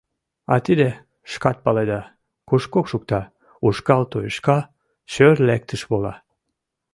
А тиде, шкат паледа, кушко шукта: ушкал туешка, шӧр лектыш вола.